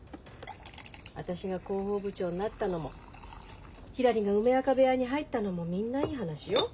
私が広報部長になったのもひらりが梅若部屋に入ったのもみんないい話よ。